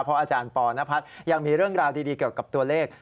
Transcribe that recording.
เพราะอาจารย์ปอนพัฒน์ยังมีเรื่องราวดีเกี่ยวกับตัวเลข